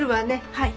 はい。